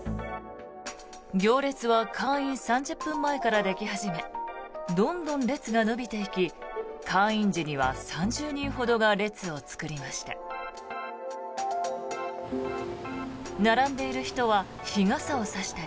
行列は開院３０分前からでき始めどんどん列が伸びていき開院時には３０人ほどが列を作りました。